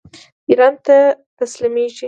ایران ته تسلیمیږي.